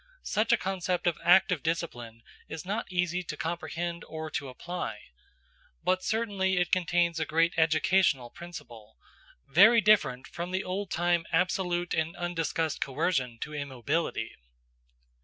Such a concept of active discipline is not easy to comprehend or to apply. But certainly it contains a great educational principle, very different from the old time absolute and undiscussed coercion to immobility.